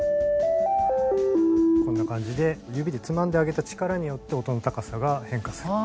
こんな感じで指でつまんであげた力によって音の高さが変化する。